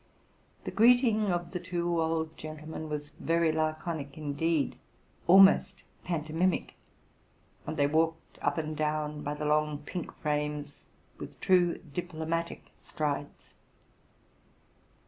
The greeting of the two old gentlemen was very laconic, indeed almost panto mimic ; and they walked up and down by the long pink frames 132 TRUTH AND FICTION with true diplomatic strides.